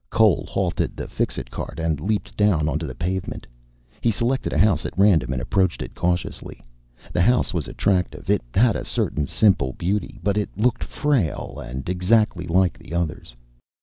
Cole halted the Fixit cart and leaped down onto the pavement. He selected a house at random and approached it cautiously. The house was attractive. It had a certain simple beauty. But it looked frail and exactly like the others.